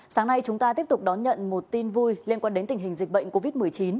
sáng nay chúng ta tiếp tục đón nhận một tin vui liên quan đến tình hình dịch bệnh covid một mươi chín